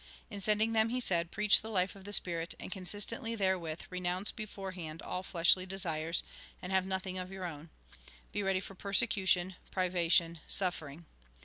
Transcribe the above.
In sending them, he said :" Preach the hfe of the Spiiit, and, consistently therewith, renounce beforehand all ileshly desires, and have nothing of your own. Be ready for persecution, privation, suffering.